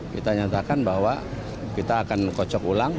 kita nyatakan bahwa kita akan kocok ulang